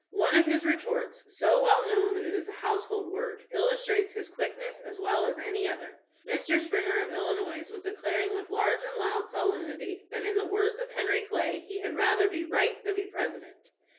One of his retorts, so well known that it is a household word, illustrates his quickness as well as any other. Mr. Springer, of lUinois, was declaring with large and loud solemnity that, in the words of Henry Clay, "he had rather be right than be Presi dent."